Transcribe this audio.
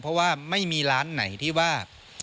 เพราะว่าไม่มีร้านไหนที่ว่า